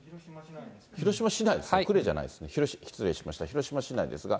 広島市内ですね、呉じゃないですね、失礼しました、広島市内ですが。